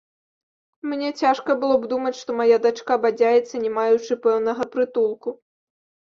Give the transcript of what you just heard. Мне цяжка было б думаць, што мая дачка бадзяецца, не маючы пэўнага прытулку.